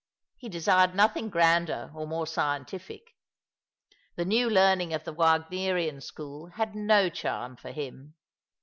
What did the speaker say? He desired nothing grander or more scientific. The new learning of the Wagnerian school had no charm for him.